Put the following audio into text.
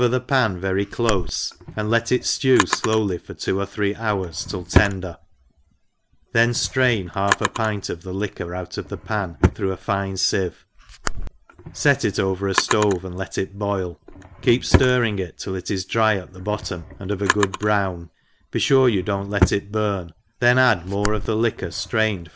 the pan very clofe, and let it ftew flowly for two or three hours, till tender, then ftrain half a pint of the liquor out of the pan through a fine fieve, fet it over a ftove, and let It boil, keep (lirring it till it is dry at the bottonij and of a good brown; be fure you do not let it burn, then add more of the liquor ftrained free r ENGLISH HOUSE KEEPER.